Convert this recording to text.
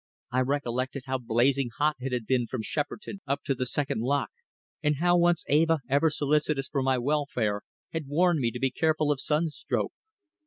I recollected how blazing hot it had been from Shepperton up to the second lock, and how once Eva, ever solicitous for my welfare, had warned me to be careful of sunstroke.